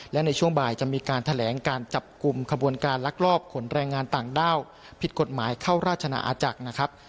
และในช่วงบ่ายจะมีการแถลงการจับกลุ่มขบวนการลักลอบขนแรงงานต่างด้าวผิดกฎหมายเข้าราชนาอาจักรนะครับ